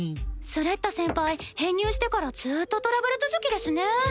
スレッタ先輩編入してからずっとトラブル続きですね。